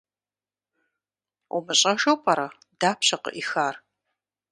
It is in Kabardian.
УмыщӀэжу пӀэрэ, дапщэ къыӀихар?